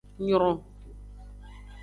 Nyron.